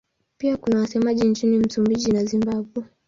Pia kuna wasemaji nchini Msumbiji na Zimbabwe.